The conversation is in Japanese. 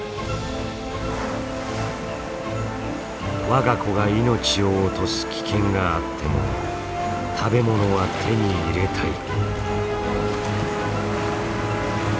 我が子が命を落とす危険があっても食べ物は手に入れたい。